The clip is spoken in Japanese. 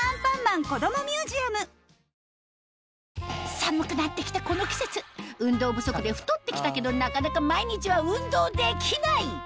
寒くなって来たこの季節運動不足で太って来たけどなかなか毎日は運動できない！